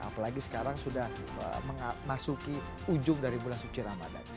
apalagi sekarang sudah memasuki ujung dari bulan suci ramadhan